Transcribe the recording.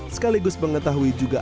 sekaligus mengetahui juga